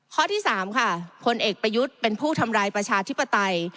ข้อที่๓ค่ะพลเอกประยุทธ์เป็นผู้ทำรายประชาธิปไตย